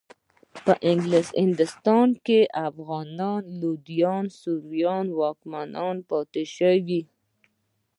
په هندوستان کې د افغاني لودیانو او سوریانو واکمنۍ پاتې شوې.